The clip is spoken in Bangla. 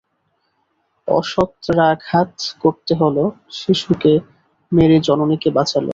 অসত্রাঘাত করতে হল, শিশুকে মেরে জননীকে বাঁচালে।